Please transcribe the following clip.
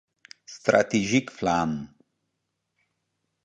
ستراتیژیک پلان